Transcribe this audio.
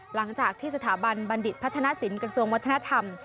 หลังจากที่สถาบันบัณฑิตพัฒนศิลปกระทรวงวัฒนธรรม